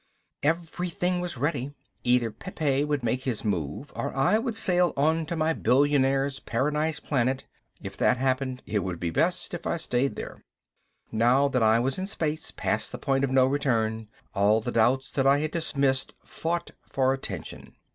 Everything was ready. Either Pepe would make his move or I would sail on to my billionaire's paradise planet. If that happened, it would be best if I stayed there. Now that I was in space, past the point of no return, all the doubts that I had dismissed fought for attention.